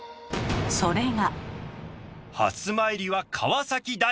それが。